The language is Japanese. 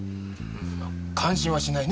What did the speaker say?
ま感心はしないね。